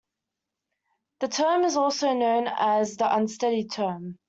This term is also known as the "unsteady term".